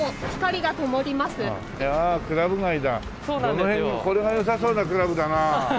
どの辺これが良さそうなクラブだな。